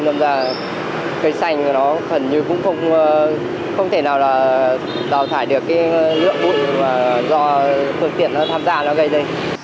nên cây xanh cũng không thể nào đào thải được lượng bụi do thương tiện tham gia gây ra